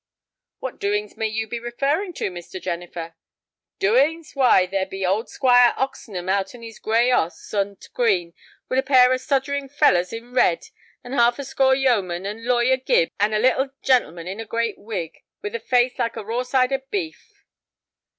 "What doings may you be referring to, Mr. Jennifer?" "Doings! Why, there be old Squire Oxenham out on his gray 'oss on t' Green, with a pair of sodgering fellows in red, and half a score yeomen, and Lawyer Gibbs, and a little gen'leman in a great wig, with a face like a raw side of beef."